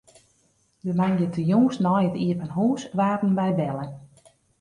De moandeitejûns nei it iepen hûs waarden wy belle.